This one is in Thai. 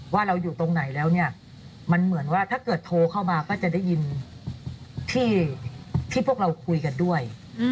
ว่าเราอยู่ตรงไหนแล้วเนี่ยมันเหมือนว่าถ้าเกิดโทรเข้ามาก็จะได้ยินที่พวกเราคุยกันด้วย